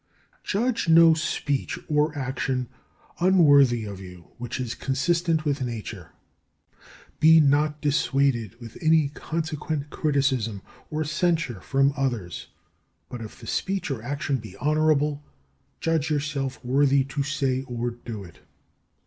3. Judge no speech or action unworthy of you which is consistent with nature. Be not dissuaded by any consequent criticism or censure from others; but, if the speech or action be honourable, judge yourself worthy to say or do it.